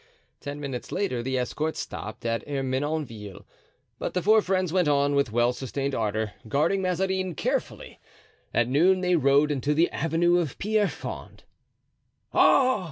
Ten minutes later the escort stopped at Ermenonville, but the four friends went on with well sustained ardor, guarding Mazarin carefully. At noon they rode into the avenue of Pierrefonds. "Ah!"